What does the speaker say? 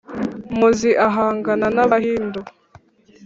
muzi ahangana n'amahindu